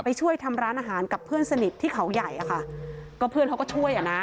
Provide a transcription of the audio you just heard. ช่วยทำร้านอาหารกับเพื่อนสนิทที่เขาใหญ่อะค่ะก็เพื่อนเขาก็ช่วยอ่ะนะ